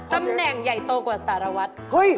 ตำแหน่งใหญ่โตกว่าสารวัตร